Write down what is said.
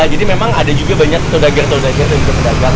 jadi memang ada juga banyak pedagang pedagang